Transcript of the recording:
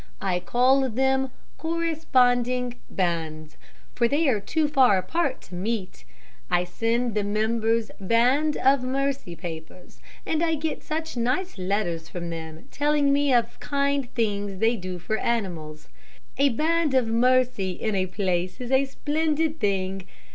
I call them 'Corresponding Bands,' for they are too far apart to meet. I send the members 'Band of Mercy' papers, and I get such nice letters from them, telling me of kind things they do for animals. "A Band of Mercy in a place is a splendid thing.